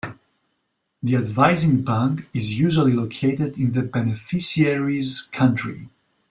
The advising bank is usually located in the beneficiary's country.